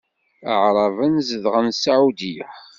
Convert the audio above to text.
Aɛṛaben zedɣen Saɛudya.